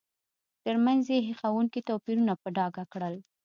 ترمنځ یې هیښوونکي توپیرونه په ډاګه کړل.